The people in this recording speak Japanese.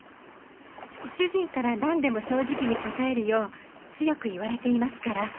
主人からなんでも正直に答えるよう強く言われていますから。